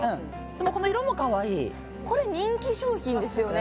でもこの色もかわいいこれ人気商品ですよね